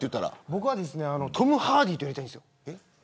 僕はトム・ハーディとやりたいんです。